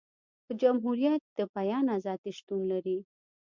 په جمهوريت د بیان ازادي شتون لري.